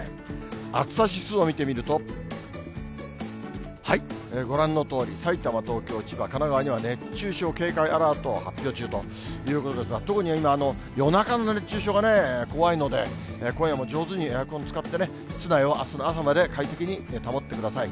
暑さ指数を見てみると、ご覧のとおり、埼玉、東京、千葉、神奈川には熱中症警戒アラートを発表中ということですが、特に今、夜中の熱中症がね、怖いので、今夜も上手にエアコン使ってね、室内をあすの朝まで快適に保ってください。